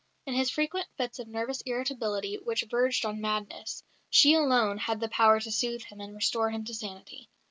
In his frequent fits of nervous irritability which verged on madness, she alone had the power to soothe him and restore him to sanity.